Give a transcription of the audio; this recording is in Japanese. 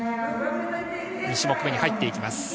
２種目目に入っていきます。